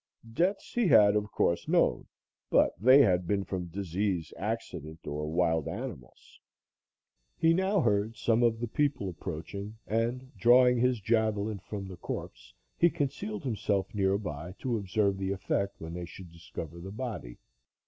Deaths he had, of course, known, but they had been from disease, accident or wild animals. He now heard some of the people approaching, and drawing his javelin from the corpse, he concealed himself near by to observe the effect when they should discover the body.